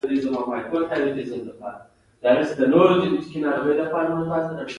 د کار خلک کار کوی او د خبرو خلک خبرې کوی.